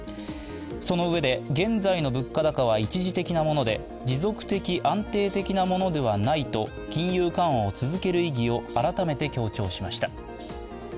そのうえで、現在の物価高は一時的なもので持続的・安定的なものではないと金融緩和を続ける意義を改めて強調しました。